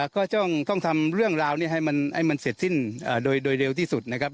ก็ต้องทำเรื่องราวนี้ให้มันเสร็จสิ้นโดยเร็วที่สุดนะครับ